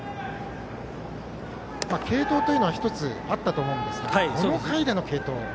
継投というのは１つあったと思うんですがこの回での継投。